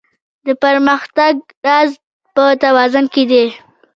د پرمختګ راز په توازن کې دی.